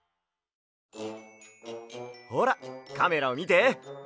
ほらカメラをみて。